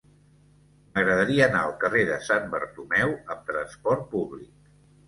M'agradaria anar al carrer de Sant Bartomeu amb trasport públic.